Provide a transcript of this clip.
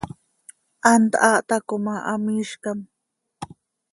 Hant haa taco ma, hamiizcam.